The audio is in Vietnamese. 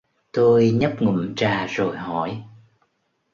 Tôi nhấp ngụm trà rồi hỏi